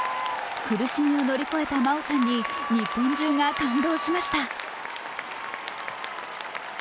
苦しみを乗り越えた真央さんに日本中が感動しました。